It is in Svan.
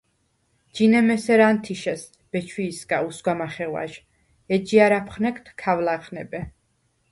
– ჯინემ ესერ ა̈ნთიშეს ბეჩვიჲსგა უსგვა მახეღვა̈ჟ, ეჯჲა̈რ აფხნეგდ ქავ ლახნებე.